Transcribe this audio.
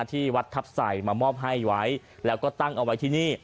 ที่วัดทัพใส่มามอบให้ไว้แล้วก็ตั้งเอาไว้ที่นี่